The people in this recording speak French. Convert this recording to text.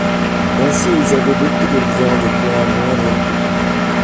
Ainsi ils avaient beaucoup de viande pour un moindre coût.